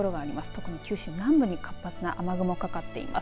特に九州南部に活発な雨雲がかかっています。